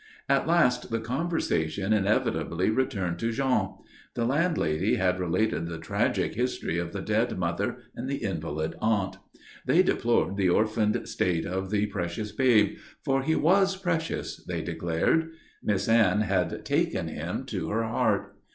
At last the conversation inevitably returned to Jean. The landlady had related the tragic history of the dead mother and the invalid aunt. They deplored the orphaned state of the precious babe. For he was precious, they declared. Miss Anne had taken him to her heart.